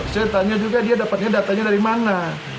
saya tanya juga dia dapatnya datanya dari mana